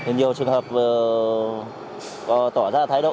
nhiều trường hợp gây mất an toàn giao thông trong quá trình kiểm tra xử lý